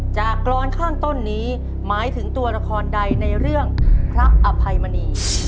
กรอนข้างต้นนี้หมายถึงตัวละครใดในเรื่องพระอภัยมณี